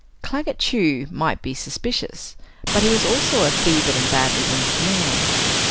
Claggett Chew might be suspicious but he was also a fevered and badly wounded man.